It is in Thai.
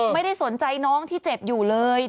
ไม่ได้สนใจน้องที่เจ็บอยู่เลย